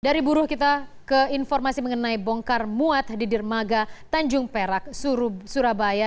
dari buruh kita ke informasi mengenai bongkar muat di dermaga tanjung perak surabaya